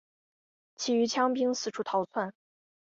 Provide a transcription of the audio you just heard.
其余羌兵四处逃窜。